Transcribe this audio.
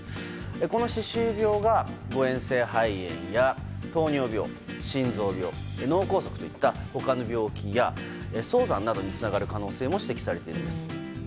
この歯周病が誤嚥性肺炎や糖尿病心臓病、脳梗塞といった他の病気や早産などにつながる可能性も指摘されているんです。